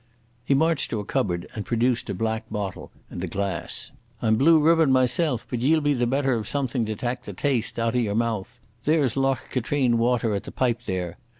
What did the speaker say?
He marched to a cupboard and produced a black bottle and glass. "I'm blue ribbon myself, but ye'll be the better of something to tak the taste out of your mouth. There's Loch Katrine water at the pipe there....